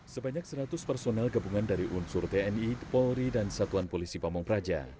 sebanyak seratus personel gabungan dari unsur tni polri dan satuan polisi pamung praja